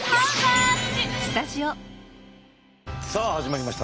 さあ始まりました。